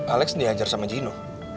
alex diajar sama cino